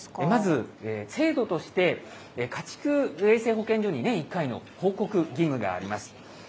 まず、制度として家畜衛生保健所に年１回の報告義務があります。